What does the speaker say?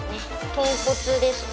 豚骨ですね。